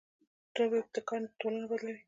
نوی ابتکار ټولنه بدلوي